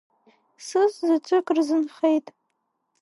Сыс заҵәык рзынхеит.